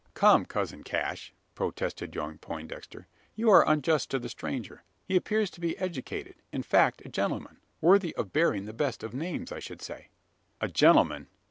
"Come, cousin Cash," protested young Poindexter; "you are unjust to the stranger. He appears to be educated in fact, a gentleman worthy of bearing the best of names, I should say." "A gentleman!